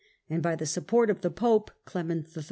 206) and by the support of the Pope, Clement III.